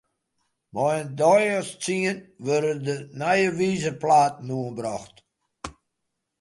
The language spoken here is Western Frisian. Mei in deis as tsien wurde de nije wizerplaten oanbrocht.